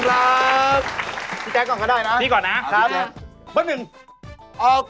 รถตุ๊กค่ะ